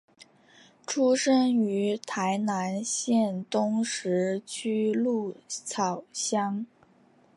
出生于台南县东石区鹿草乡。